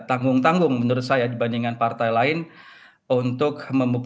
dan kita bisa lihat bahwa pdip adalah salah satu pilihan yang terbaik